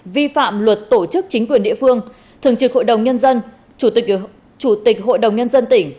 vi phạm luật tổ chức chính quyền địa phương thường trực hội đồng nhân dân chủ tịch hội đồng nhân dân tỉnh